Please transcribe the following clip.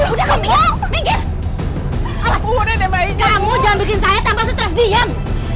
udah kamu minggir kamu jangan bikin saya tambah setres diem